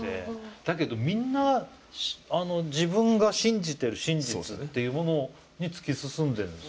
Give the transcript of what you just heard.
だけどみんな自分が信じている真実っていうものに突き進んでいるんです。